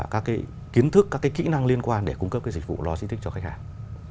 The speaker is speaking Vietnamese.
các kiến thức các kỹ năng liên quan để cung cấp dịch vụ logistics cho khách hàng